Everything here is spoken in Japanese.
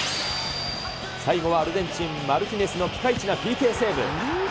最後はアルゼンチン、マルティネスのピカイチなＰＫセーブ。